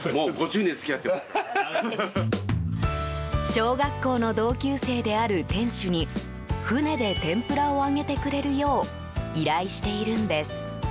小学校の同級生である店主に船で天ぷらを揚げてくれるよう依頼しているんです。